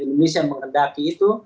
indonesia mengendaki itu